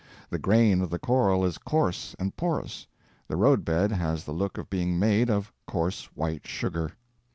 The grain of the coral is coarse and porous; the road bed has the look of being made of coarse white sugar.